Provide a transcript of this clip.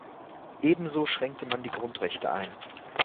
Ebenso schränkte man die Grundrechte ein.